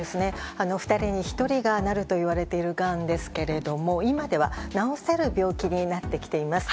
２人に１人がなるといわれている、がんですが今では治せる病気になってきています。